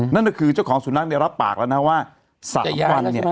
นั่นก็คือเจ้าของสุนัขรับปากแล้วว่าโซมตรจรรยายแล้วใช่ไหม